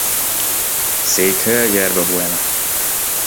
Székhelye Yerba Buena.